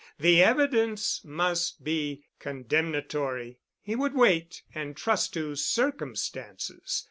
The evidence must be condemnatory. He would wait and trust to circumstances.